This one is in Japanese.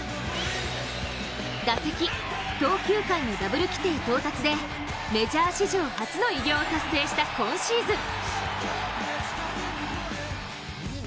打席、投球回のダブル規定到達でメジャー史上初の偉業を達成した今シーズン。